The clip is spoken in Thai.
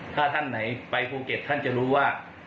ถ้าท่านไหนไปภูเก็ตท่านจะรู้ว่า